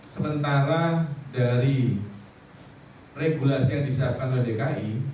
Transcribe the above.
sementara dari regulasi yang disiapkan oleh dki